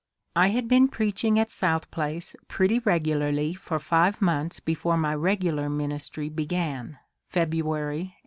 I had been preaching at South Place pretty regularly for five months before my regular ministry began, February, 1864.